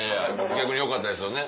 逆によかったですよね。